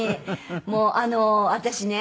もう私ね